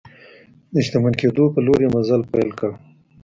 د شتمن کېدو په لور یې مزل پیل کړ.